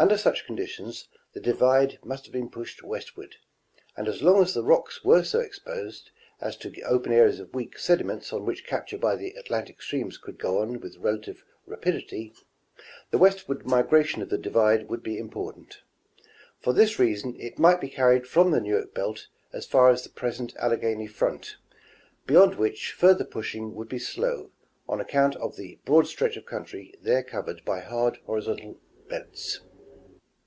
Under such conditions, the divide must have been pushed westward, and as long as the. rocks were so exposed as to open areas of weak sediments on which capture by the Atlantic streams could go on with relative rapidity, the westward migration of the 18 232 National Geographic Magazine. divide would be important. For this reason, it might be carried from the Newark belt as far as the present Alleghany front, beyond which further pushing would be slow, on account of the broad stretch of country there covered by hard horizontal beds.